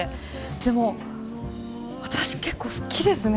でも私結構好きですね。